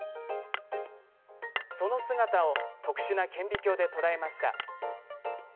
その姿を特殊な顕微鏡で捉えました。